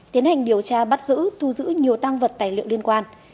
tiến hành điều tra bắt giữ thu giữ nhiều tăng vật tài liệu liên quan